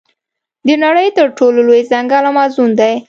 د نړۍ تر ټولو لوی ځنګل امازون دی.